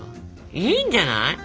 いいんじゃない？